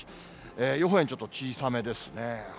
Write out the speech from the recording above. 予報円ちょっと小さめですね。